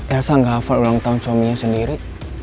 elsa gak hafal ulang tahun suaminya sendiri